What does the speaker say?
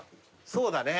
そうだね。